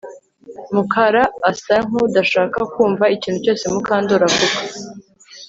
Mukara asa nkudashaka kumva ikintu cyose Mukandoli avuga